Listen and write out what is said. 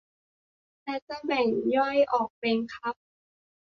และจะแบ่งย่อยออกเป็นคัพ